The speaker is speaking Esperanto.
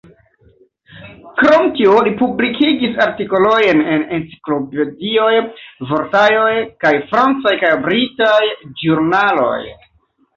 Krom tio li publikigis artikolojn en enciklopedioj, vortaroj kaj francaj kaj britaj ĵurnaloj.